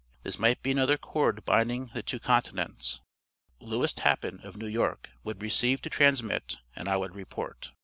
This might be another cord binding the two continents. Lewis Tappan, of New York, would receive to transmit, and I would report."